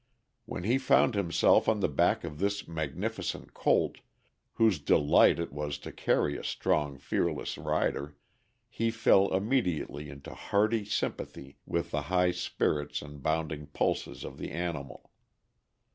When he found himself on the back of this magnificent colt, whose delight it was to carry a strong, fearless rider, he fell immediately into hearty sympathy with the high spirits and bounding pulses of the animal.